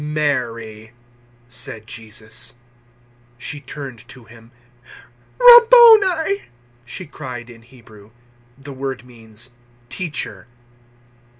020:016 "Mary!" said Jesus. She turned to Him. "Rabboni!" she cried in Hebrew: the word means `Teacher!'